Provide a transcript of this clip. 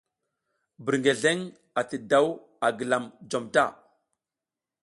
Birngeleŋ ati daw a gilam jom ta.